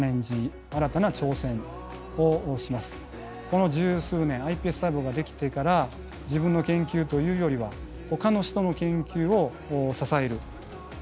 この十数年ｉＰＳ細胞ができてから自分の研究というよりはほかの人の研究を支えるこれに一生懸命取り組んできました。